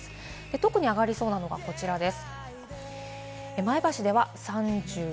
特に上がりそうなのがこちらです。